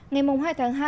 ngày hai tháng hai